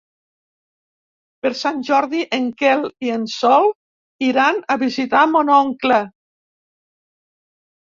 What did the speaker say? Per Sant Jordi en Quel i en Sol iran a visitar mon oncle.